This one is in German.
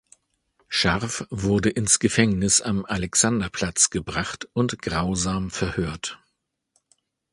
Scharff wurde ins Gefängnis am Alexanderplatz gebracht und grausam verhört.